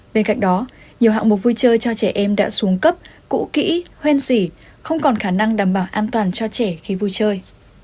bên cạnh đó nhiều hạng mục vui chơi cho trẻ em đã xuống cấp cũ kỹ hoen dỉ không còn khả năng đảm bảo an toàn cho trẻ khi vui chơi